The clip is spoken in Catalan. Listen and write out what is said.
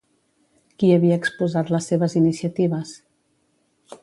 Qui havia exposat les seves iniciatives?